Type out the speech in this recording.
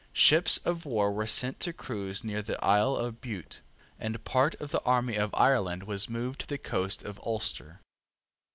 Ships of war were sent to cruise near the isle of Bute; and part of the army of Ireland was moved to the coast of Ulster.